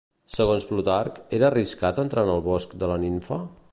Segons Plutarc, era arriscat entrar en el bosc de la nimfa?